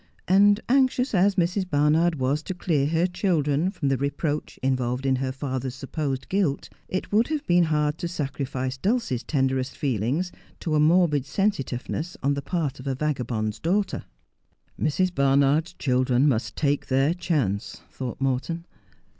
And, anxious as Mrs. Barnard was to clear her children from the reproach involved in her father's supposed guilt, it would have been hard to sacrifice Dulcie's tenderest feelings to a morbid sensitiveness on the part of a vagabond's daughter. ' Mrs. Barnard's children must take their chance,' thought Morton.